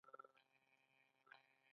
میلیونونه خلک پکې ګډون کوي.